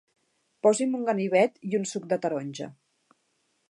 Posi'm un ganivet i un suc de taronja.